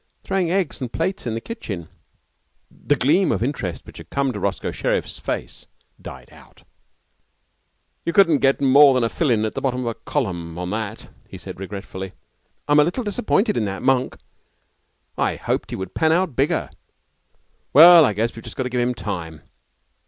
'Throwing eggs and plates in the kitchen.' The gleam of interest which had come into Roscoe Sherriff's face died out. 'You couldn't get more than a fill in at the bottom of a column on that,' he said, regretfully. 'I'm a little disappointed in that monk. I hoped he would pan out bigger. Well, I guess we've just got to give him time.